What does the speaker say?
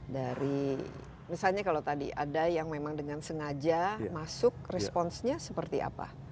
dari misalnya kalau tadi ada yang memang dengan sengaja masuk responsnya seperti apa